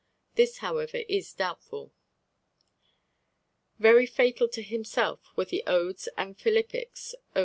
This, however, is doubtful. Very fatal to himself were the odes and philippics of M.